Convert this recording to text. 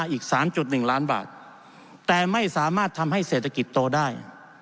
อีก๓๑ล้านบาทแต่ไม่สามารถทำให้เศรษฐกิจโตได้